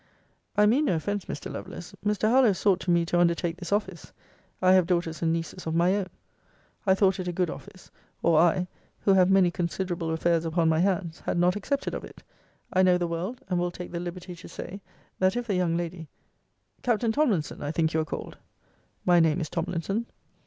I mean no offence, Mr. Lovelace. Mr. Harlowe sought to me to undertake this office. I have daughters and nieces of my own. I thought it a good office, or I, who have many considerable affairs upon my hands, had not accepted of it. I know the world; and will take the liberty to say, that if the young lady Captain Tomlinson, I think you are called? My name is Tomlinson.